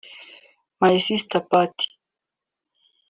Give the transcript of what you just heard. ‘My Sister’ (part &